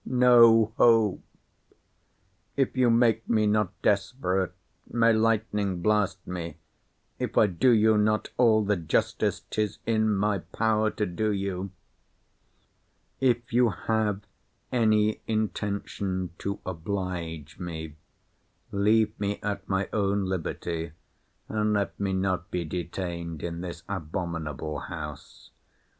—no hope!—If you make me not desperate, may lightning blast me, if I do you not all the justice 'tis in my power to do you! If you have any intention to oblige me, leave me at my own liberty, and let me not be detained in this abominable house.